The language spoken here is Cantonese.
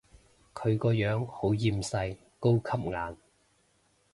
佢個樣好厭世，高級顏